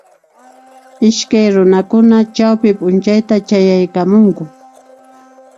Iskay runa chawpi p'unchayta chayaykamunku